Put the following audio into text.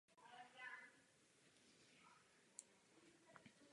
Negativní myšlenky se vztahují na vlastní osobu.